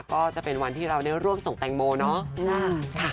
ก็จะเป็นวันที่เราได้ร่วมส่งแตงโมเนาะ